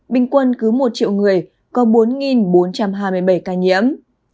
bình quân cứ một triệu người có bốn bốn trăm hai mươi bảy ca nhiễm